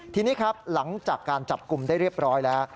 ทีนี้ครับหลังจากการจับกลุ่มได้เรียบร้อยแล้ว